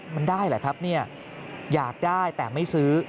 มันได้หรือครับอยากได้แต่ไม่ซื้อ